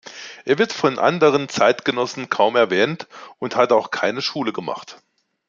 Er wird von anderen Zeitgenossen kaum erwähnt und hat auch keine Schule gemacht.